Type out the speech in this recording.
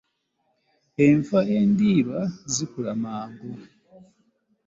Enva endiirwa zikula mangu.